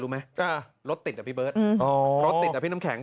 รู้ไหมรถติดอ่ะพี่เบิร์ตรถติดอ่ะพี่น้ำแข็ง